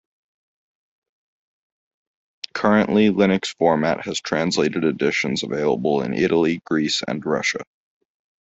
Currently Linux Format has translated editions available in Italy, Greece and Russia.